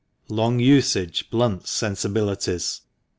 Long usage blunts sensibilities.